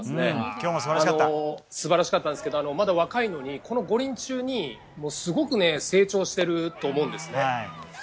今日も素晴らしかったんですけどまだ若いのにこの五輪中にすごく成長していると思うんですね。